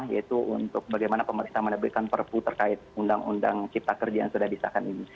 yaitu untuk bagaimana pemerintah menerbitkan perpu terkait undang undang cipta kerja yang sudah disahkan ini